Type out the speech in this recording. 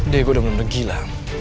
dego udah bener bener gila